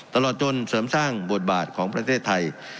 ตลอดจนเสริมสร้างบทบาทของประเทศไทย